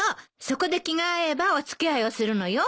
そこで気が合えばお付き合いをするのよ。